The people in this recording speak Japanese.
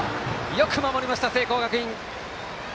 よく守りました、聖光学院。